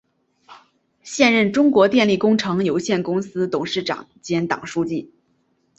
现任中国电力工程有限公司董事长兼党书记。